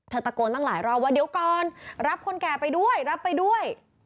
ตะโกนตั้งหลายรอบว่าเดี๋ยวก่อนรับคนแก่ไปด้วยรับไปด้วย